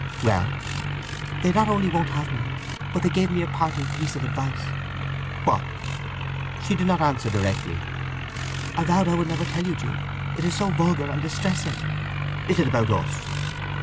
"Well?" "They not only won't have me, but they gave me a parting piece of advice—" "What?" She did not answer directly. "I vowed I never would tell you, Jude—it is so vulgar and distressing!" "Is it about us?"